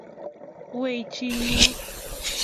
Wei, chi nyu !